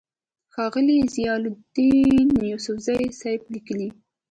ښاغلے ضياءالدين يوسفزۍ صېب ليکي: